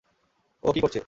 ও কি করছে?